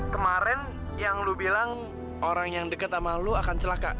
kemarin yang lu bilang orang yang deket sama lu akan celaka